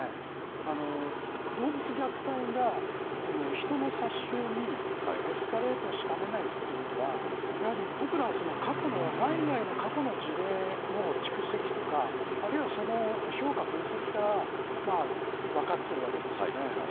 動物虐待が人の殺傷にエスカレートしかねないということは僕らは、内外の過去の事例の蓄積とか評価分析から分かっているわけですよね。